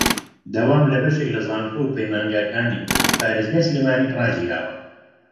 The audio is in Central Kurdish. دەوام لە بەشێک لە زانکۆ و پەیمانگاکانی پارێزگای سلێمانی ڕاگیراوە